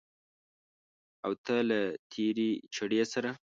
او ته له تېرې چړې سره